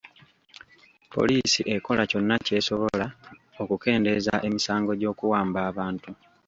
Poliisi ekola kyonna ky'esobola okukendeeza emisango gy'okuwamba abantu.